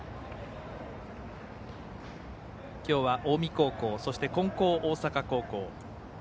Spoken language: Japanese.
きょうは近江高校そして金光大阪高校